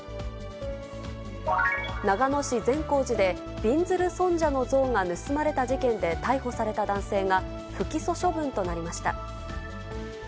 長野市・善光寺で、びんずる尊者の像が盗まれた事件で逮捕された男性が、不起訴処分となりました。